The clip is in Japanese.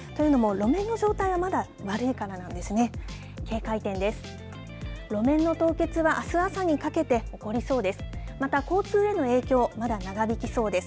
路面の凍結はあす朝にかけて起こりそうです。